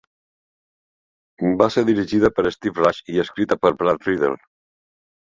Va ser dirigida per Steve Rash i escrita per Brad Riddell.